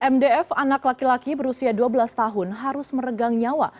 mdf anak laki laki berusia dua belas tahun harus meregang nyawa